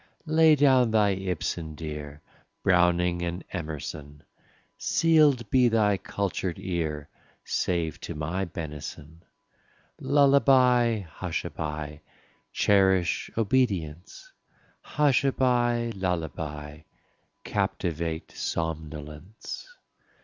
Lay down thy Ibsen, dear, Browning and Emerson; Sealed be thy cultured ear Save to my benison. Lullaby, hushaby, cherish obedience. Hushaby, lullaby, captivate somnolence.